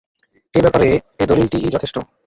এ ব্যাপারে এ দলীলটিই যথেষ্ট।